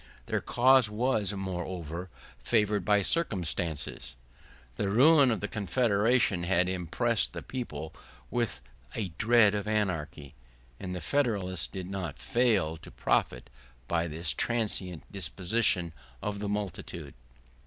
Their cause was, moreover, favored by circumstances. The ruin of the Confederation had impressed the people with a dread of anarchy, and the Federalists did not fail to profit by this transient disposition of the multitude.